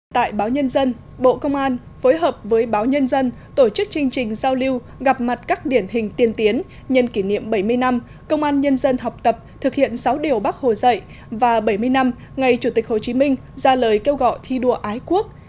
tại báo nhân dân bộ công an phối hợp với báo nhân dân tổ chức chương trình giao lưu gặp mặt các điển hình tiên tiến nhân kỷ niệm bảy mươi năm công an nhân dân học tập thực hiện sáu điều bác hồ dạy và bảy mươi năm ngày chủ tịch hồ chí minh ra lời kêu gọi thi đua ái quốc